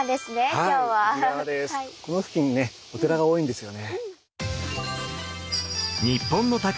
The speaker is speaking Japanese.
この付近にねお寺が多いんですよね。